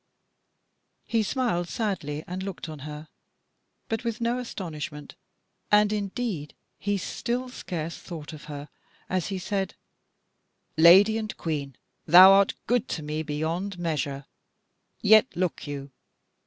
He smiled sadly and looked on her, but with no astonishment, and indeed he still scarce thought of her as he said: "Lady and Queen, thou art good to me beyond measure. Yet, look you!